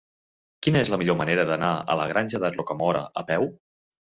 Quina és la millor manera d'anar a la Granja de Rocamora a peu?